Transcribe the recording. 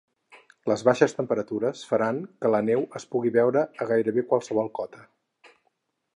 Les baixes temperatures faran que la neu es pugui veure a gairebé qualsevol cota.